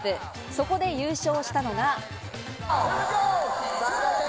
そこで優勝したのが。